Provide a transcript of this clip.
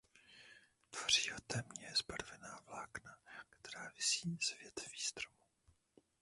Tvoří ho temně zbarvená vlákna která visí z větví stromů.